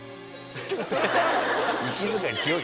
息遣い強い。